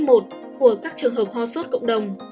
của các trường hợp ho sốt cộng đồng